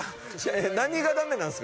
何がダメなんですか？